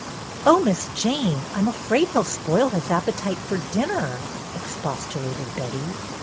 "Oh, Miss Jane, I'm afraid he'll spoil his appetite for dinner," expostulated Betty.